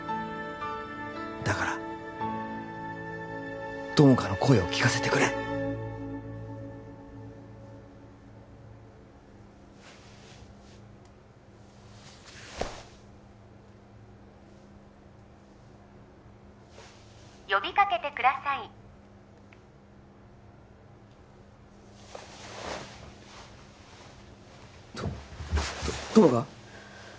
だから友果の声を聞かせてくれっ呼びかけてくださいとと友果？